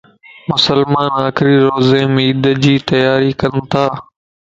مسلمان آخري روزيمَ عيدَ جي تياري ڪنتا